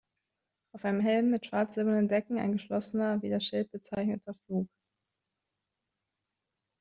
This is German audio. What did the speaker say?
Auf dem Helm mit schwarz-silbernen Decken ein geschlossener, wie der Schild bezeichneter Flug.